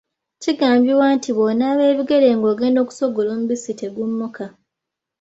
Kigambibwa nti bw’onaaba ebigere ng’ogenda okusogola omubisi tegummuka.